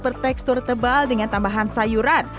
bertekstur tebal dengan tambahan sayuran